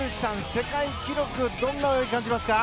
世界記録どんな泳ぎに感じますか？